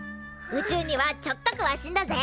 宇宙にはちょっとくわしいんだぜ。